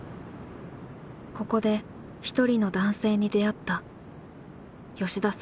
ここで一人の男性に出会った。